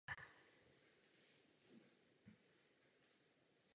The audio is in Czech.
Po letadlové lodi "Charles de Gaulle" je druhou nejdelší lodí francouzského námořnictva.